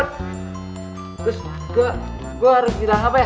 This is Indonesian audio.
terus gue harus bilang apa ya